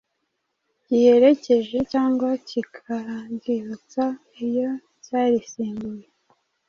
giherekeje cyangwa kikaryibutsa iyo cyarisimbuye.